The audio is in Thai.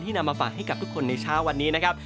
นำมาฝากให้กับทุกคนในเช้าวันนี้นะครับ